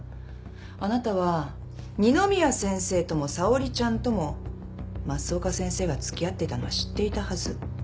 あなたは二宮先生とも沙織ちゃんとも増岡先生が付き合ってたのは知っていたはず。